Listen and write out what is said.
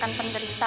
kan kita tidak hasil